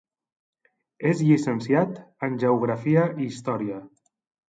És llicenciat en Geografia i Història.